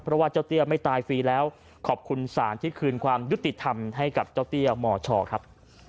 เพราะว่าเจ้าเตี้ยไม่ตายฟรีแล้วขอบคุณศาลที่คืนความยุติธรรมให้กับเจ้าเตี้ยมชครับ